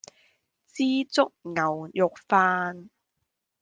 枝竹牛肉飯